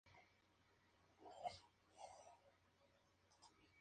El siguiente diagrama muestra a las localidades en un radio de de Modoc.